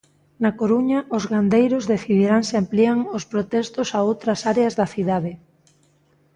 Na Coruña, os gandeiros decidirán se amplían os protestos a outras áreas da cidade.